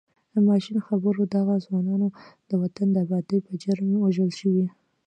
ماشین خبر و دغه ځوانان د وطن د ابادۍ په جرم وژل شوي.